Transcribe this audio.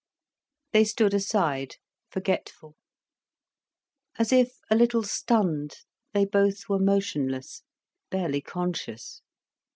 They stood aside, forgetful. As if a little stunned, they both were motionless, barely conscious.